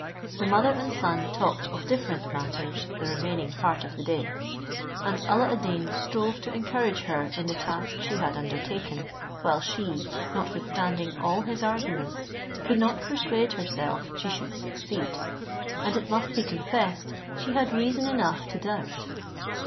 The mother and son talked of different matters the remaining part of the day; and Alla ad Deen strove to encourage her in the task she had undertaken; while she, notwithstanding all his arguments, could not persuade herself she should succeed; and it must be confessed she had reason enough to doubt.